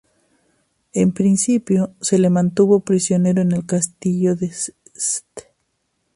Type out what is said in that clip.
En principio se le mantuvo prisionero en el castillo de St.